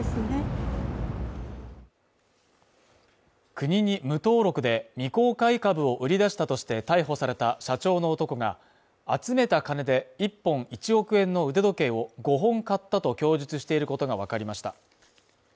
国に無登録で、未公開株を売り出したとして逮捕された社長の男が集めた金で１本１億円の腕時計を５本買ったと供述していることがわかりました。